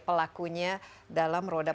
pelakunya dalam roda